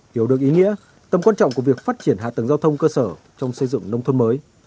hiểu được ý nghĩa tầm quan trọng của việc phát triển hạ tầng giao thông cơ sở trong xây dựng nông thôn mới